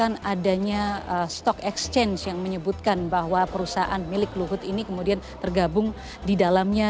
dengan adanya stock exchange yang menyebutkan bahwa perusahaan milik luhut ini kemudian tergabung di dalamnya